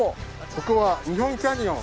ここは日本キャニオン。